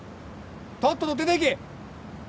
とっとと出ていけ！